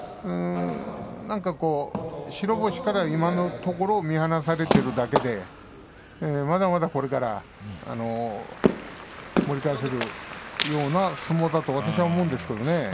なんかこう、白星から今のところ見放されているだけでまだまだ、これから盛り返せるような相撲だと私は思うんですけれどもね。